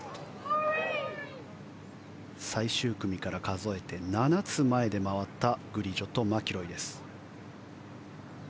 最終組から数えて７つ前で回ったグリジョとマキロイです。